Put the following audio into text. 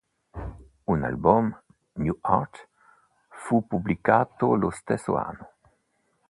Un album, New Art, fu pubblicato lo stesso anno.